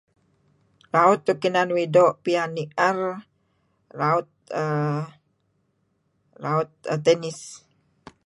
Raut suk nan uih doo' pian iih uhm nier raut uhm raut uhm tennis.